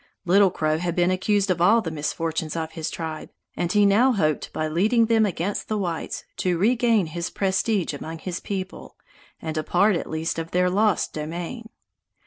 Little Crow had been accused of all the misfortunes of his tribe, and he now hoped by leading them against the whites to regain his prestige with his people, and a part at least of their lost domain.